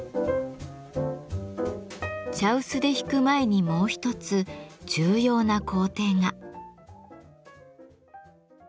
茶臼でひく前にもう一つ重要な工程が。